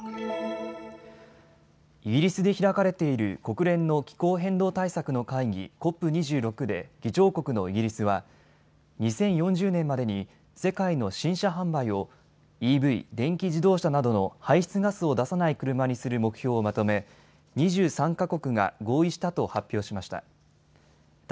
イギリスで開かれている国連の気候変動対策の会議、ＣＯＰ２６で議長国のイギリスは２０４０年までに世界の新車販売をＥＶ・電気自動車などの排出ガスを出さない車にする目標をまとめ２３か国が合意したと発表しました。